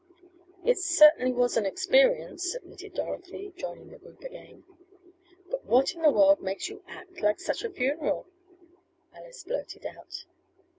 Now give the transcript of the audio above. "It certainly was an experience," admitted Dorothy, joining the group again. "But what in the world makes you act like such a funeral?" Alice blurted out.